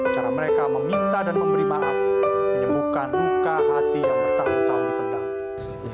cara mereka meminta dan memberi maaf menyembuhkan luka hati yang bertahun tahun dipendamping